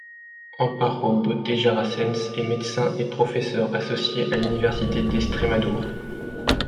Amparo Botejara Sanz est médecin et professeure associée à l'Université d'Estrémadure.